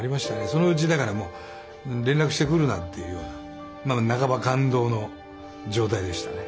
そのうちだからもう連絡してくるなっていうような半ば勘当の状態でしたね。